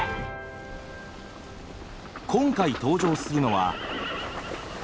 今回登場するのは。